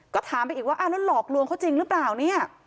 ก็ถามไปอีกว่าอ้าวแล้วหลอกลวงเขาจริงหรือเปล่าเนี่ย